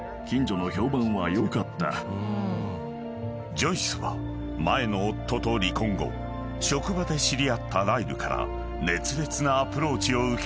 ［ジョイスは前の夫と離婚後職場で知り合ったライルから熱烈なアプローチを受け］